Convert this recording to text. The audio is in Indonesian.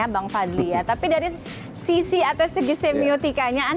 bang fadli tapi dari sisi atas segi semiotikanya